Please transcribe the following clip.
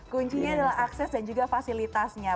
kuncinya adalah akses dan juga fasilitasnya